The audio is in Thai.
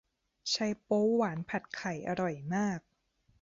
ไชโป๊วหวานผัดไข่อร่อยมาก